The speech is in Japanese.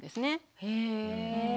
へえ。